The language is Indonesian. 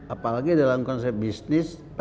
apalagi dalam konsep bisnis